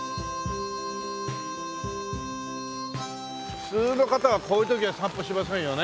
普通の方はこういう時は散歩しませんよね。